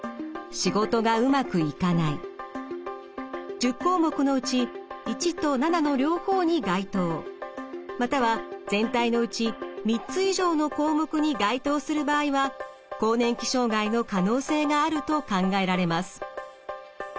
１０項目のうち①と⑦の両方に該当または全体のうち３つ以上の項目に該当する場合は更年期障害の可能性があると考えられます。